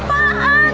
kok ini ada apaan